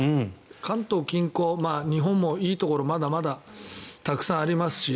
関東近郊、日本もいいところまだまだたくさんありますし。